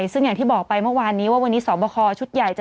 เสียชีวิต๑๙รายค่ะ